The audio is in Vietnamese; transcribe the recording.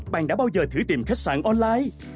bạn đã bao giờ thử tìm khách sạn online